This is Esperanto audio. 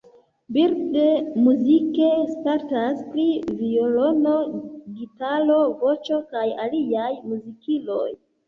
Bird muzike spertas pri violono, gitaro, voĉo kaj aliaj muzikiloj.